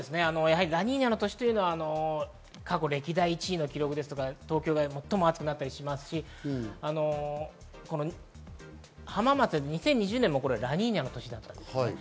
ラニーニャの年というのは過去歴代１位の記録とか、東京で最も暑くなったりしますし、浜松で２０２０年もラニーニャの年だったんです。